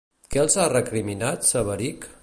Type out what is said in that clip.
Què els ha recriminat Sabarich?